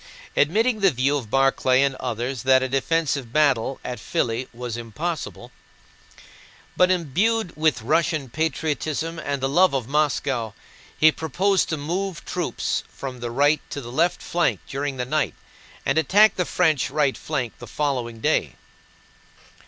Admitting the view of Barclay and others that a defensive battle at Filí was impossible, but imbued with Russian patriotism and the love of Moscow, he proposed to move troops from the right to the left flank during the night and attack the French right flank the following day.